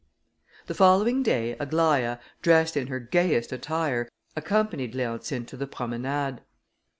The following day, Aglaïa, dressed in her gayest attire, accompanied Leontine to the promenade.